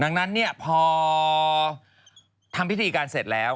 ดังนั้นเนี่ยพอทำพิธีการเสร็จแล้ว